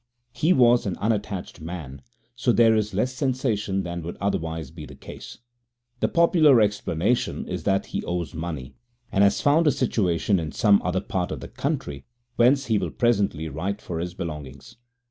He was an unattached man, so there is less sensation than would otherwise be the case. The popular explanation is that he owes money, and has found a situation in some other part of the country, whence he will presently write for his belongings.